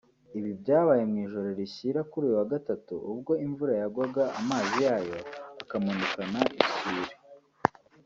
Ibi byabaye mu ijoro rishyira kuri uyu wa Gatatu ubwo imvura yagwaga amazi yayo akamanukana isuri